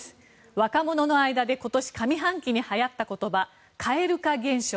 若者の間で今年上半期にはやった言葉蛙化現象。